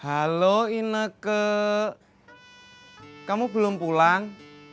halo ineke kamu belum pulang